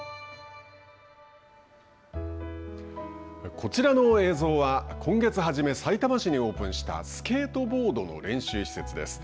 こちらの映像は今月初めさいたま市にオープンしたスケートボードの練習施設です。